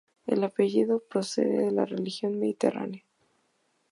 El apellido procede de la región mediterránea.